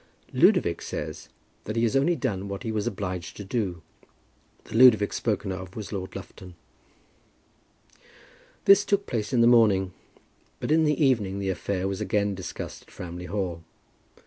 "Ludovic says that he has only done what he was obliged to do." The Ludovic spoken of was Lord Lufton. This took place in the morning, but in the evening the affair was again discussed at Framley Hall.